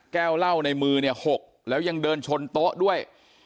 แก้วเหล้าในมือเนี่ยหกแล้วยังเดินชนโต๊ะด้วย